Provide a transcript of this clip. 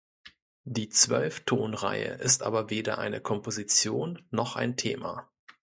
Die Zwölftonreihe ist aber weder eine Komposition noch ein Thema.